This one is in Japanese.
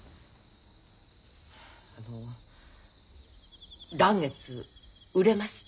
あの嵐月売れました。